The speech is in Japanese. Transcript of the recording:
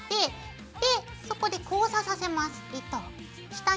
でそこで交差させます糸を。